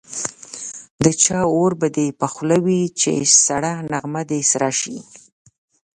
د چا اور به دي په خوله وي چي سړه نغمه دي سره سي